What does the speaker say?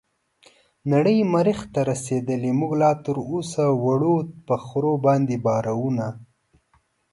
نړۍ مريح ته رسيدلې موږ لا تراوسه وړو په خرو باندې بارونه